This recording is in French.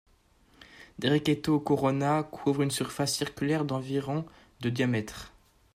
Derceto Corona couvre une surface circulaire d'environ de diamètre.